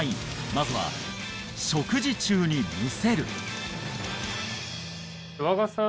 まずは「食事中にむせる」